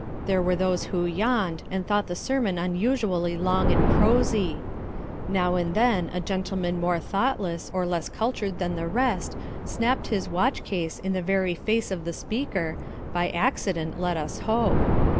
There were those who yawned, and thought the sermon unusually long and prosy. Now and then a gentleman more thoughtless or less cultured than the rest snapped his watch case in the very face of the speaker, by accident, let us hope.